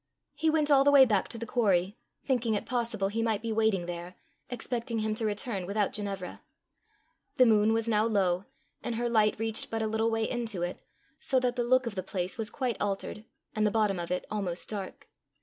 He went all the way back to the quarry, thinking it possible he might be waiting there, expecting him to return without Ginevra. The moon was now low, and her light reached but a little way into it, so that the look of the place was quite altered, and the bottom of it almost dark.